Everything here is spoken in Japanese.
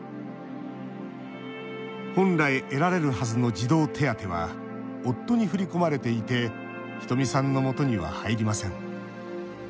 本来、得られるはずの児童手当は夫に振り込まれていてひとみさんの元には入りません。